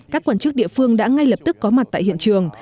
các quản chức địa phương đã ngay lập tức có mặt tại hiện trường